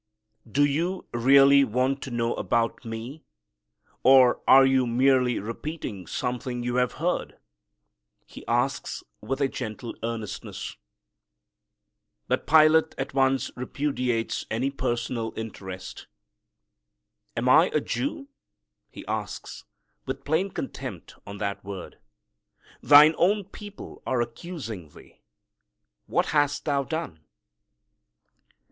"Do you really want to know about Me, or are you merely repeating something you have heard?" He asks, with a gentle earnestness. But Pilate at once repudiates any personal interest. "Am I a Jew?" he asks, with plain contempt on that word. "Thine own people are accusing thee. What hast Thou done?"